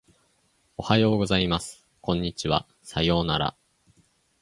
おはようございます。こんにちは。さようなら。